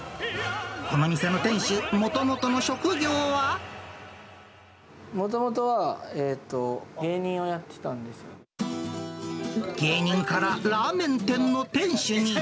この店の店主、もともとはえっと、芸人をや芸人からラーメン店の店主に。